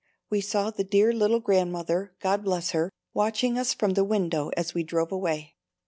We saw the dear little Grandmother, God bless her, watching us from the window as we drove away.